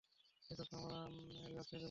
এসব তো আমরা রিহার্সেলে বলিনি!